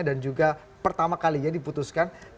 dan juga pertama kalinya diputuskan